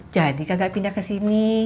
jadi kagak pindah ke sini